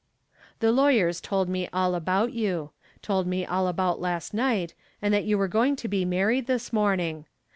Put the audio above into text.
"The lawyers told me all about you. Told me all about last night, and that you were going to be married this morning.